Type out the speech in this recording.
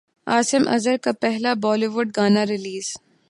عاصم اظہر کا پہلا بولی وڈ گانا ریلیز